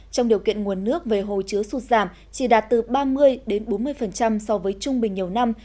trong điều kiện nguồn nước về hồ chứa sụt giảm chỉ đạt từ ba mươi bốn mươi so với trung bình nhiều năm